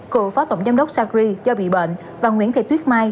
cựu phó tổng giám đốc sacri do bị bệnh và nguyễn thị tuyết mai